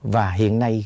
và hiện nay